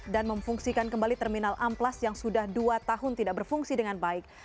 memfungsikan kembali terminal amplas yang sudah dua tahun tidak berfungsi dengan baik